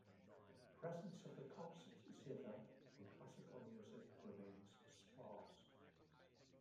Presence of the concert zither in classical music remains sparse.